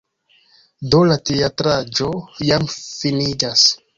Do, la teatraĵo jam finiĝas